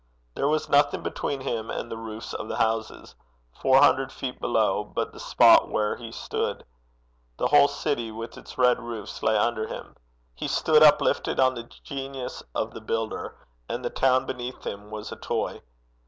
There was nothing between him and the roofs of the houses, four hundred feet below, but the spot where he stood. The whole city, with its red roofs, lay under him. He stood uplifted on the genius of the builder, and the town beneath him was a toy.